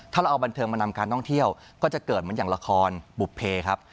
ถ้าเราเอาบันเทิงมานำการท่องเที่ยวก็จะเกิดเหมือนอย่างละครบุภเพครับ